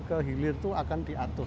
ke hilir itu akan diatur